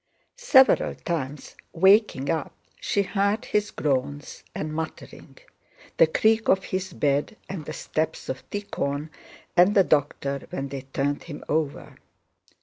Several times, waking up, she heard his groans and muttering, the creak of his bed, and the steps of Tíkhon and the doctor when they turned him over.